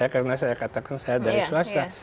karena saya katakan saya dari swasta